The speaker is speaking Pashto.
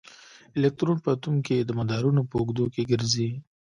الکترون په اټوم کې د مدارونو په اوږدو کې ګرځي.